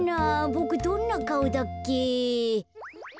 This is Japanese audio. ボクどんなかおだっけ？